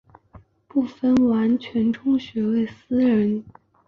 部分完全中学为私人财团或团体所成立。